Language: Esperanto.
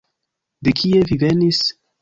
De kie vi venis?